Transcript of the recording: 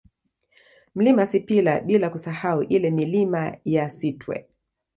Mlima Sipila bila kusahau ile Milima ya Sitwe